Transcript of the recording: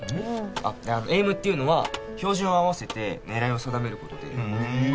あっエイムっていうのは照準を合わせて狙いを定めることでへえ